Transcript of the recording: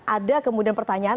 ada kemudian pertanyaan